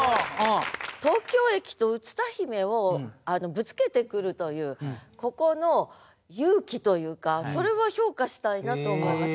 東京駅とうつ田姫をぶつけてくるというここの勇気というかそれは評価したいなと思います。